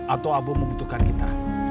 atau abu membutuhkan kita